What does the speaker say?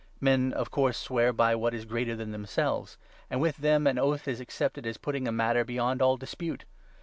Men, of course, swear by what is 16 greater than themselves, and with them an oath is accepted as putting a matter beyond all dispute.